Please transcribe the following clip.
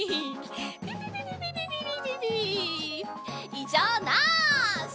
いじょうなし！